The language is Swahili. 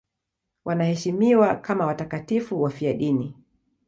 Wanaheshimiwa kama watakatifu wafiadini.